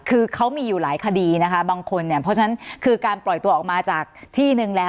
คือเขามีอยู่หลายคดีนะคะบางคนเนี่ยเพราะฉะนั้นคือการปล่อยตัวออกมาจากที่หนึ่งแล้ว